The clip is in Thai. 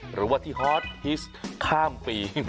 หรือว่าที่ฮอตฮิตข้ามปี